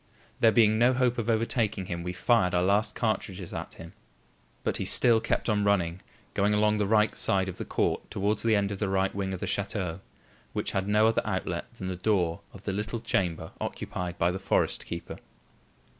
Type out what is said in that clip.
There being no hope of overtaking him, we fired our last cartridges at him. But he still kept on running, going along the right side of the court towards the end of the right wing of the chateau, which had no other outlet than the door of the little chamber occupied by the forest keeper.